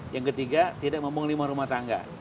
yang ketiga tidak membuang limbah rumah tangga